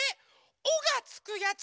「お」がつくやつ！